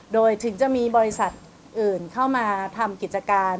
โดยถึงจะมีบริษัทอื่นเข้ามาทำกิจการ